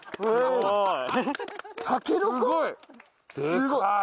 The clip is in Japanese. すごい。